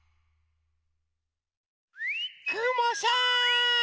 くもさん！